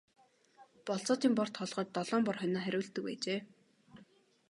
Болзоотын бор толгойд долоон бор хонио хариулдаг байжээ.